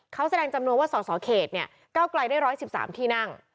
เขาแสดงจำนวนว่าสสเขตเก้าไกลได้๑๑๓ที่นั่ง